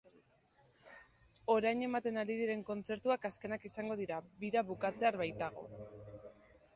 Orain ematen ari garen kontzertuak azkenak izango dira, bira bukatzear baitago.